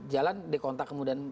jalan di kontak kemudian